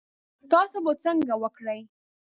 تاسو به څنګه وکړی؟